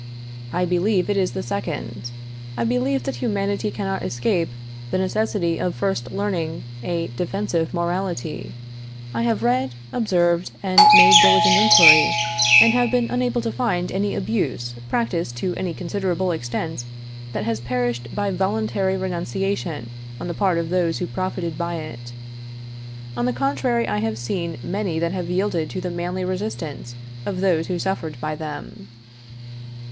I believe it is the second. I believe that humanity cannot escape the necessity of first learning a defensive morality. I have read, observed, and made diligent inquiry, and have been unable to find any abuse, practiced to any considerable extent, that has perished by voluntary renunciation on the part of those who profited by it. On the contrary, I have seen many that have yielded to the manly resistance of those who suffered by them.